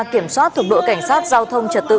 kiểm soát thuộc đội cảnh sát giao thông trật tự